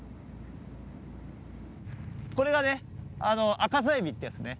これがアカザエビってやつね。